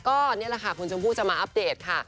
ก็นี่แหละค่ะคุณชมพู่จะมาอัปเดตค่ะ